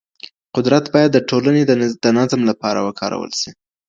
قدرت بايد د ټولنې د نظم لپاره وکارول سي.